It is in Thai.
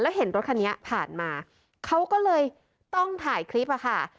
เห็นรถคันนี้ผ่านมาเขาก็เลยต้องถ่ายคลิปอะค่ะ